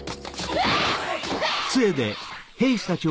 うわっ‼